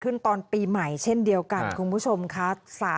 ตอนปีใหม่เช่นเดียวกันคุณผู้ชมค่ะ